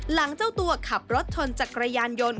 หลังเจ้าตัวขับรถชนจากกระยานยนต์